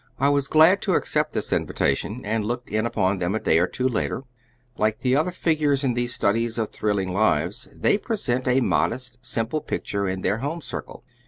I was glad to accept this invitation, and looked in upon them a day or two later. Like the other figures in these studies of thrilling lives, they presented a modest, simple picture in their home circle.